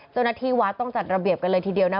เจ้าหน้าที่วัดต้องจัดระเบียบกันเลยทีเดียวนะ